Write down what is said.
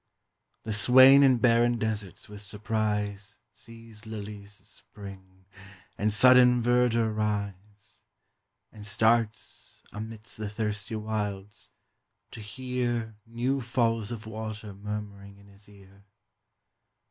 The swain in barren deserts with surprise Sees lilies spring, and sudden verdure rise; And starts, amidst the thirsty wilds, to hear New falls of water murmuring in his ear.